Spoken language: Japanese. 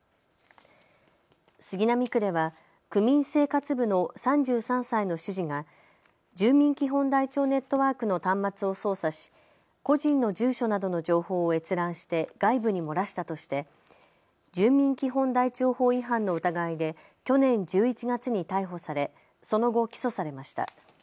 杉並区では区民生活部の３３歳の主事が住民基本台帳ネットワークの端末を操作し個人の住所などの情報を閲覧して外部に漏らしたとして住民基本台帳法違反の疑いで去年１１月に逮捕されその後、起訴されました。